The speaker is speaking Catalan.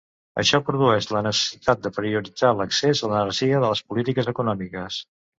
Això produeix la necessitat de prioritzar l'accés a l'energia en les polítiques econòmiques.